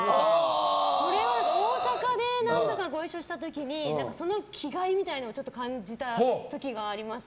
大阪で何度かご一緒した時にその気概みたいなのを感じた時がありました。